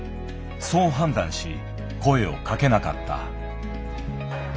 そう判断し声をかけなかった。